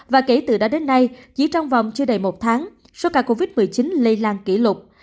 và kể từ đó đến nay chỉ trong vòng chưa đầy một tháng số ca covid một mươi chín lây lan kỷ lục